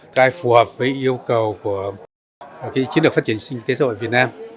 cái phù hợp với yêu cầu của chiến lược phát triển kinh tế xã hội việt nam